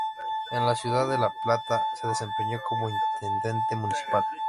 En la ciudad de La Plata se desempeñó como intendente municipal.